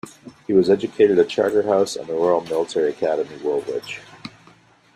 He was educated at Charterhouse and the Royal Military Academy, Woolwich.